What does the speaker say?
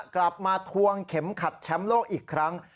กลับมาทวงเข็มขัดแชมป์โลกอีกครั้ง